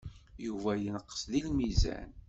Yuba yenqes deg lmizan.